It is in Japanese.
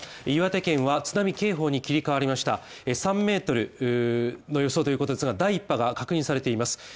岩手県は津波警報に切り替わりました３ｍの予想ということですが第一波が確認されています。